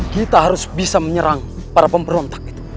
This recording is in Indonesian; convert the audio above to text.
kita harus bisa menyerang para pemberontak